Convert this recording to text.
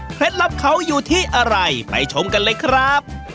ลับเขาอยู่ที่อะไรไปชมกันเลยครับ